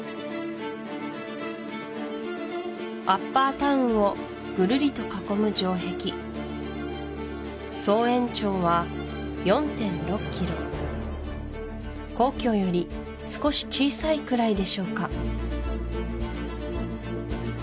アッパータウンをぐるりと囲む城壁皇居より少し小さいくらいでしょうか